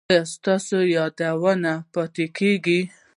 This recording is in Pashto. ایا ستاسو یادونه پاتې کیږي؟